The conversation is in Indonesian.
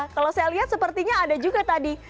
kalau saya lihat sepertinya ada juga tadi